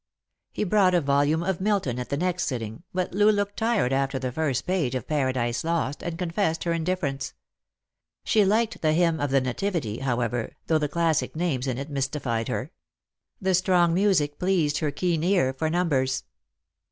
He brought a volume of Milton at the next sitting, but Loo looked tired after the first page of Paradise Lost, and confessed her indifference. She liked the " Hymn of the Nativity," how ever, though the classic names in it mystified her. The strong music pleased her keen ear for numbers.